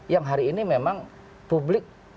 yang hari ini memang publik